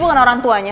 bukan orang tuanya